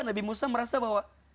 nabi musa merasa bahwa